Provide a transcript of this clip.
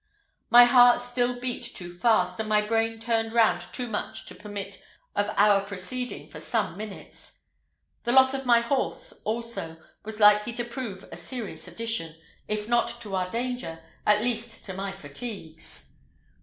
My heart still beat too fast, and my brain turned round too much to permit of our proceeding for some minutes; the loss of my horse, also, was likely to prove a serious addition, if not to our danger, at least to my fatigues.